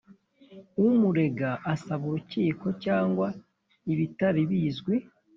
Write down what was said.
umurega asaba urukiko cyangwa ibitari bizwi